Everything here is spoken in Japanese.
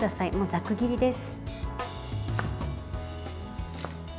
ざく切りです。